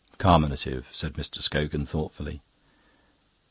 "Carminative," said Mr. Scogan thoughtfully.